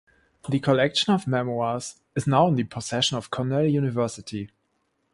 The collection of memoirs is now in the possession of Cornell University.